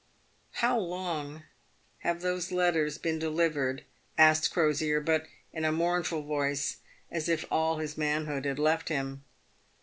"How long have those letters been delivered?" asked Crosier, but in a mournful voice, as if all his manhood had left him.